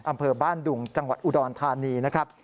อำเภอบ้านดุงจังหวัดอุดรธานีนะครับ